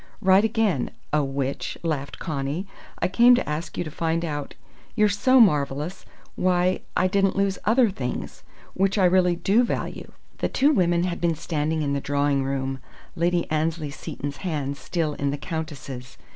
"Right again, O Witch!" laughed Connie. "I came to ask you to find out you're so marvellous! why I didn't lose other things, which I really do value." The two women had been standing in the drawing room, Lady Annesley Seton's hand still in the Countess's.